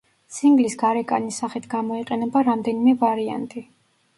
სინგლის გარეკანის სახით გამოიყენება რამდენიმე ვარიანტი.